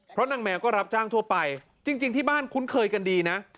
เพราะนางแมวก็รับจ้างทั่วไปจริงที่บ้านคุ้นเคยกันดีนะ